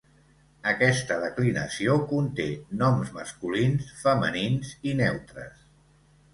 Aquesta declinació conté noms masculins, femenins i neutres.